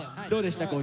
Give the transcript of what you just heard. どうでした？